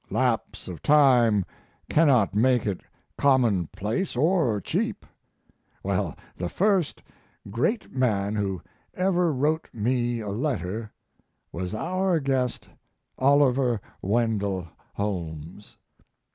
Lapse of time cannot make it commonplace or cheap. Well, the first great man who ever wrote me a letter was our guest, Oliver Wendell Holmes.